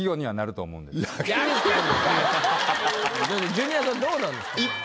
ジュニアさんどうなんですか？